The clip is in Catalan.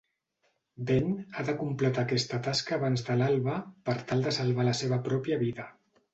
Ben ha de completar aquesta tasca abans de l'alba per tal de salvar la seva pròpia vida.